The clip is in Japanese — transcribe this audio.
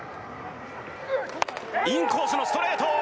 インコースのストレート！